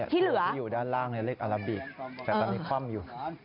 ที่เหลือที่อยู่ด้านล่างเลขอาราบิกแต่ตอนนี้คว่ำอยู่